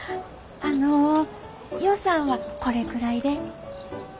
あの予算はこれくらいで。